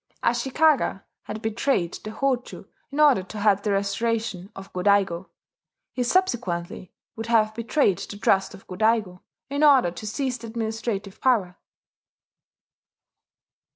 Ashikaga had betrayed the Hojo in order to help the restoration of Go Daigo: he subsequently would have betrayed the trust of Go Daigo, in order to seize the administrative power.